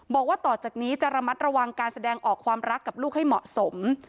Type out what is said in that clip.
บอกว่าต่อจากนี้จะระมัดระวังการแสดงออกความรักกับลูกให้เหมาะสม